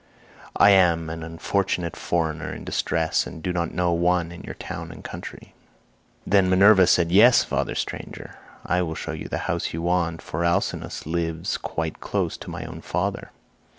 I am an unfortunate foreigner in distress, and do not know one in your town and country." Then Minerva said, "Yes, father stranger, I will show you the house you want, for Alcinous lives quite close to my own father.